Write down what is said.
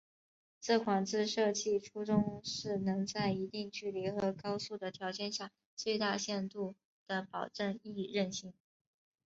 这款字设计初衷是能在一定距离和高速的条件下最大限度地保证易认性。